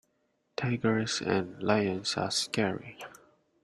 Tigers and lions are scary.